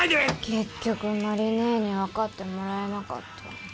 結局麻里姉に分かってもらえなかった。